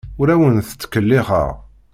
Ur awent-ttkellixeɣ.